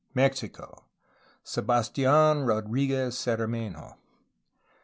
Mexico. Sebas tidn Rodriguez Cermenho.